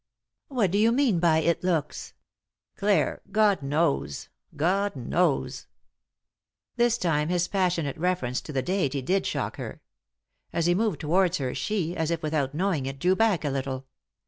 " What do you mean by * it looks '?"" Clare, God knows 1 God knows 1 " This time his passionate reference to the Deity did shock her. As he moved towards her she, as if without knowing it, drew back a little.